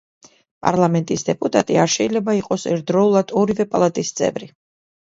პარლამენტის დეპუტატი არ შეიძლება იყოს ერთდროულად ორივე პალატის წევრი.